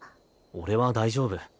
俺は大丈夫。